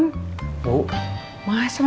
bu masa nonton tv gak ada suaranya